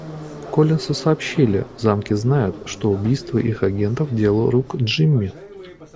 Коллинсу сообщили, в Замке знают, что убийство их агентов дело рук Джимми.